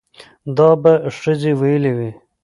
دا به ښځې ويلې وي